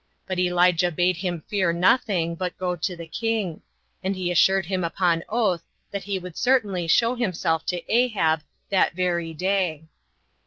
But Elijah bade him fear nothing, but go to the king; and he assured him upon oath that he would certainly show himself to Ahab that very day.